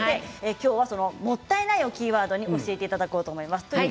きょうはもったいないをキーワードに教えていただこうと思います。